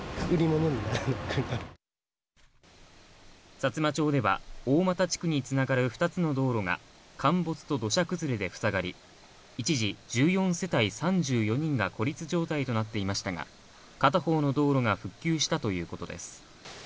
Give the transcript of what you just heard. さつま町では大俣地区につながる２つの道路が陥没と土砂崩れでふさがり、一時、１４世帯３４人が孤立状態となっていましたが、片方の道路が復旧したということです。